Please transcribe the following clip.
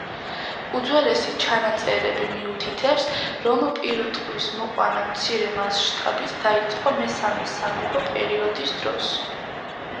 უძველესი ჩანაწერები მიუთითებს, რომ პირუტყვის მოყვანა მცირე მასშტაბით დაიწყო მესამე სამეფო პერიოდის დროს.